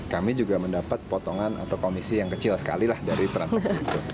kami juga mendapat potongan atau komisi yang kecil sekali lah dari transaksi itu